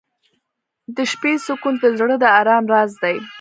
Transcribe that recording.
• د شپې سکون د زړه د ارام راز دی.